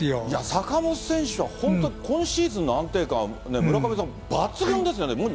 いや、坂本選手は本当、今シーズンの安定感は村上さん、抜群ですよね。